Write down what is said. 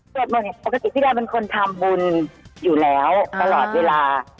สวดมนต์เนี่ยปกติพี่ดาวเป็นคนทำบุญอยู่แล้วตลอดเวลา